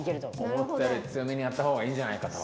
思ったより強めにやったほうがいいんじゃないかと。